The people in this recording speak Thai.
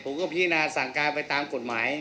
ผมก็พิจารณาสั่งการไปตามกฎหมาย